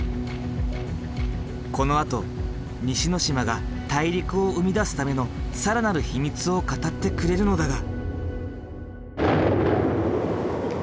このあと西之島が大陸を生み出すための更なる秘密を語ってくれるのだが。